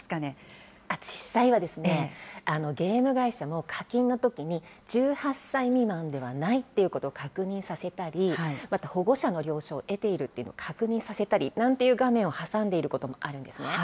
実際は、ゲーム会社も課金のときに、１８歳未満ではないってことを確認させたり、また保護者の了承を得ているというのを確認させたりなんていう画面を挟んでいることもあるんですね。